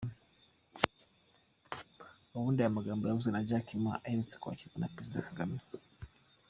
Ubundi aya magambo yavuzwe na Jack Ma uherutse kwakirwa na Perezida Paul Kagame.